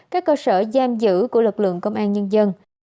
các cơ sở giam giữ của lực lượng công an nhân dân